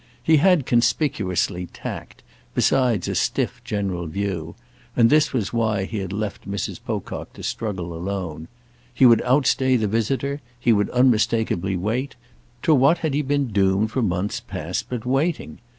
He had, conspicuously, tact, besides a stiff general view; and this was why he had left Mrs. Pocock to struggle alone. He would outstay the visitor; he would unmistakeably wait; to what had he been doomed for months past but waiting?